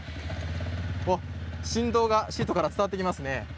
振動がシートから伝わってきます。